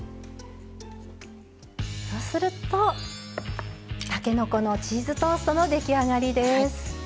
そうするとたけのこのチーズトーストの出来上がりです。